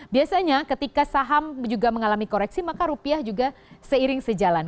biasanya ketika saham juga mengalami koreksi maka rupiah juga seiring sejalan